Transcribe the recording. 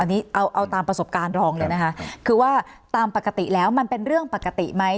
อันนี้เอาเอาตามประสบการณ์รองเลยนะคะคือว่าตามปกติแล้วมันเป็นเรื่องปกติไหม